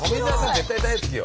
絶対大好きよ。